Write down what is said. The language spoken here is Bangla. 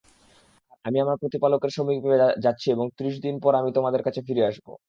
আমি আমার প্রতিপালকের সমীপে যাচ্ছি এবং ত্রিশ দিন পর আমি তোমাদের কাছে ফিরে আসব।